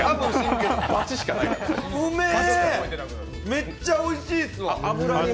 めっちゃおいしいっすわ。